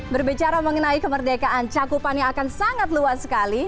berbicara mengenai kemerdekaan cakupannya akan sangat luas sekali